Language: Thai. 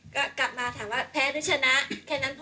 ก็กลับมาถามว่าแพ้หรือชนะแค่นั้นพอ